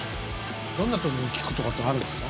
どんな時に聴くとかっていうのはあるんですか？